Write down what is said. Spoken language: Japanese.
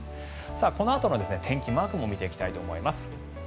このあとの天気、マークも見ていきたいと思います。